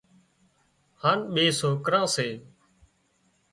هانَ ٻي سوڪريون سي